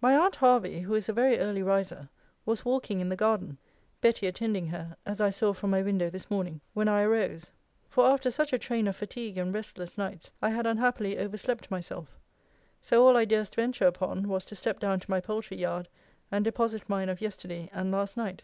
My aunt Hervey, who is a very early riser, was walking in the garden (Betty attending her, as I saw from my window this morning) when I arose: for after such a train of fatigue and restless nights, I had unhappily overslept myself: so all I durst venture upon, was, to step down to my poultry yard, and deposit mine of yesterday, and last night.